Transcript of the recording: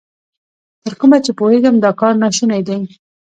تر کومه چې پوهېږم، دا کار نا شونی دی.